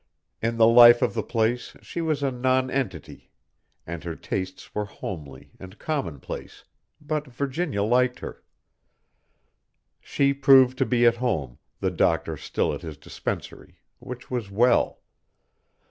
In the life of the place she was a nonentity, and her tastes were homely and commonplace, but Virginia liked her. She proved to be at home, the Doctor still at his dispensary, which was well.